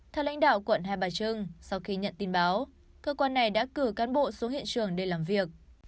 theo lãnh đạo quận hai bà trưng sau khi nhận tin báo cơ quan này đã cử cán bộ xuống hiện trường để làm việc